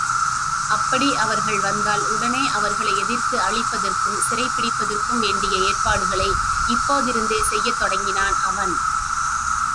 அப்படி அவர்கள் வந்தால் உடனே அவர்களை எதிர்த்து அழிப்பதற்கும் சிறைப்பிடிப்பதற்கும் வேண்டிய ஏற்பாடுகளை இப்போதிருந்தே செய்யத் தொடங்கினான் அவன்.